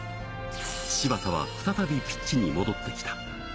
柴田は再びピッチに戻ってきた。